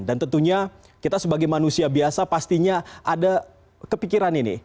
dan tentunya kita sebagai manusia biasa pastinya ada kepikiran ini